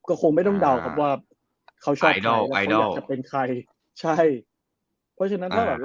ก็คงไม่ต้องเดาว่าเขาชอบใครแล้วเขาอยากจะเป็นใคร